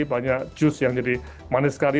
banyak jus yang jadi manis sekali